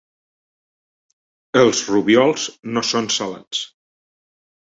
Els rubiols no són salats.